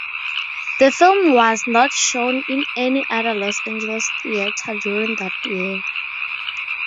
The film was not shown in any other Los Angeles theater during that year.